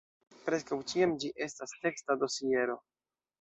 Preskaŭ ĉiam ĝi estas teksta dosiero.